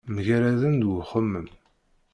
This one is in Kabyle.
Mgaraden deg uxemmem.